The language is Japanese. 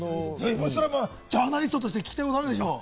ジャーナリストとして聞きたいことあるでしょう？